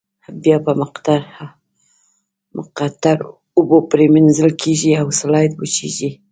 بیا په مقطرو اوبو پریمنځل کیږي او سلایډ وچیږي.